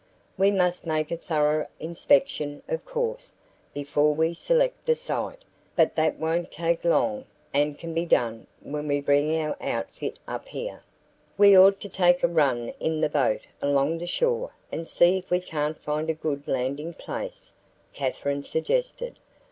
We must make a thorough inspection, of course, before we select a site, but that won't take long and can be done when we bring our outfit up here." "We ought to take a run in the boat along the shore and see if we can't find a good landing place," Katherine suggested.